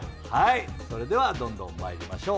それではどんどまいりましょう。